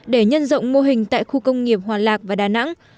để nhân rộng mô hình tại khu công nghiệp hòa lạc và đà nẵng